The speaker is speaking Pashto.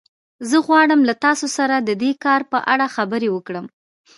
زه غواړم له تاسو سره د دې کار په اړه خبرې وکړم